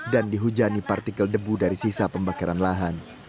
dan dihujani partikel debu dari sisa pembakaran lahan